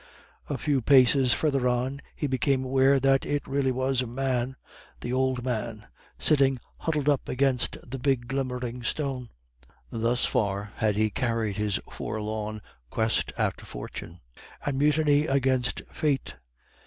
A few paces further on he became aware that it really was a man the old man sitting huddled up under the big glimmering stone. Thus far had he carried his forlorn quest after Fortune, and mutiny against Fate.